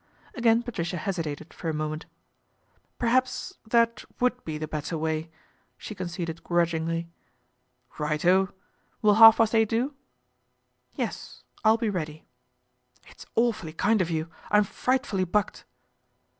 Again Patricia hesitated for a moment. " Per haps that would be the better way," she con ceded grudgingly. " Right oh ! Will half past eight do ?"" Yes, I'll be ready." " It's awfully kind of you ; I'm frightfully bucked."